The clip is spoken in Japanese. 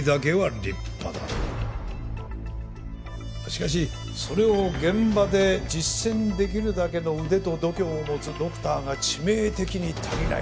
しかしそれを現場で実践出来るだけの腕と度胸を持つドクターが致命的に足りない。